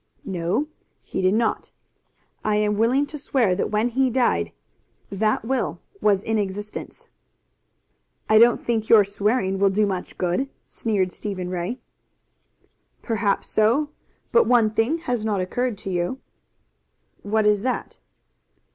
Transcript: "No, he did not. I am willing to swear that when he died that will was in existence." "I don't think your swearing will do much good," sneered Stephen Ray. "Perhaps so, but one thing has not occurred to you." "What is that?"